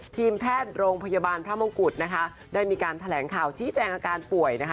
ทีมแพทย์โรงพยาบาลพระมงกุฎนะคะได้มีการแถลงข่าวชี้แจงอาการป่วยนะคะ